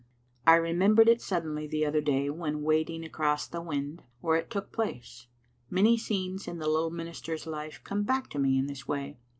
I remem bered it suddenly the other day when wading across the wynd where it took place. Many scenes in the little minister's life come back to me in this way.